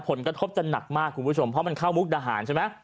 ผลกระทบจะหนักมากคุณผู้ชมเพราะมันเข้ามุกดาหารใช่ไหม